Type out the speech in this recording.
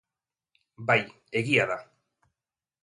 Bai, egia da.